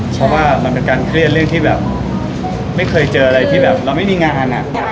เพราะว่ามันเป็นสิ่งที่ไม่เคยเจออะไรที่เราไม่มีงาน